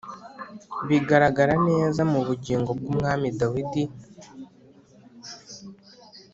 Bigaragara neza mu bugingo bw'umwami Dawidi